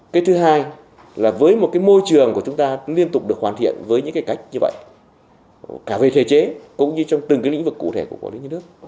cái thứ hai là với một cái môi trường của chúng ta liên tục được hoàn thiện với những cái cách như vậy cả về thể chế cũng như trong từng cái lĩnh vực cụ thể của quản lý nhân nước